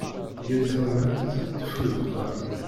Yal tiɣmert teffud lqaɛa.